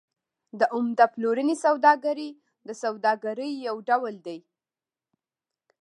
د عمده پلورنې سوداګري د سوداګرۍ یو ډول دی